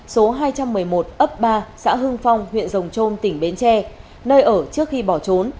số hai trăm một mươi một ấp ba xã hưng phong huyện rồng trôm tỉnh bến tre nơi ở trước khi bỏ trốn